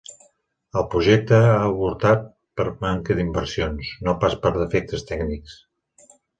El projecte ha avortat per manca d'inversions, no pas per defectes tècnics.